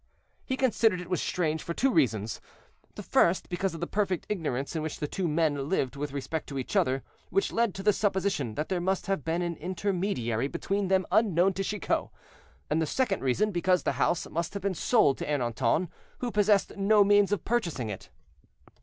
He considered it was strange for two reasons; the first, because of the perfect ignorance in which the two men lived with respect to each other, which led to the supposition that there must have been an intermediary between them unknown to Chicot; and the second reason, because the house must have been sold to Ernanton, who possessed no means of purchasing it.